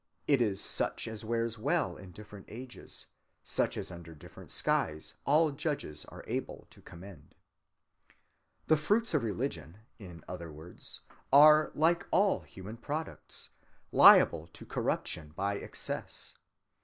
It is such as wears well in different ages, such as under different skies all judges are able to commend. The fruits of religion, in other words, are, like all human products, liable to corruption by excess.